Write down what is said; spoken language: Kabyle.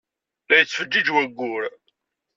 La yettfejjij wayyur.